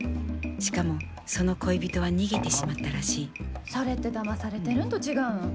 しかもその恋人は逃げてしまったらしいそれってだまされてるんと違うん？